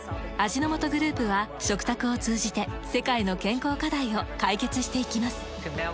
味の素グループは食卓を通じて世界の健康課題を解決していきます。